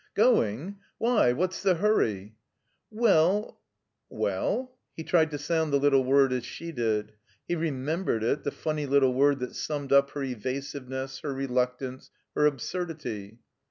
''Going? Why, what's the hurry?" ''Well— "'' Well —'' He tried to sound the little word as she did. He remembered it, the funny little word that summed up her evasiveness, her reluctance, her abstu"dity.